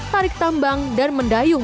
tarik tambang dan mendayung